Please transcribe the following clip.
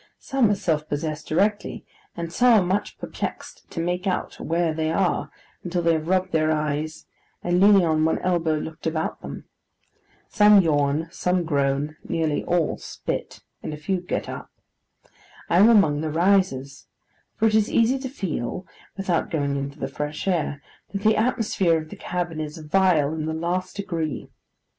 Some are self possessed directly, and some are much perplexed to make out where they are until they have rubbed their eyes, and leaning on one elbow, looked about them. Some yawn, some groan, nearly all spit, and a few get up. I am among the risers: for it is easy to feel, without going into the fresh air, that the atmosphere of the cabin is vile in the last degree.